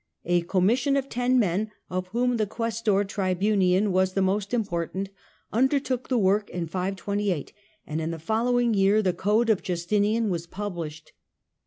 A commission )f ten men, of whom the quaestor Tribonian was the nost important, undertook the work in 528, and in the ollowing year the Code of Justinian was published.